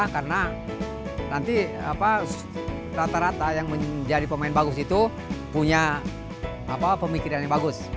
karena nanti rata rata yang menjadi pemain bagus itu punya pemikiran yang bagus